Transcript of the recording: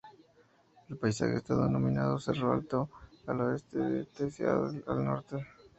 El paisaje está dominado por Cerro Alto, al oeste y The Saddle al norte.